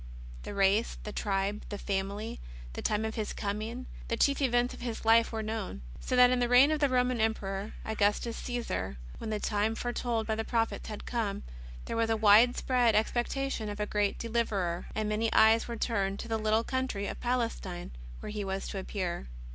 The race, the tribe, the family, the time of His coming, the chief events of His Life were known. So that in the reign of the Roman Emperor, Augustus Caesar, when the time foretold by the prophets had come, there was a widespread expectation of a great Deliverer, and many eyes were turned to the little country of Palestine where He was to appear.